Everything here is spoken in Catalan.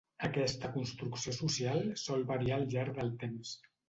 Aquesta construcció social sol variar al llarg del temps.